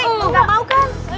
enggak mau kak